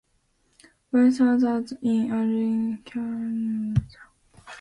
Various others in the Allen clan were also soon arrested.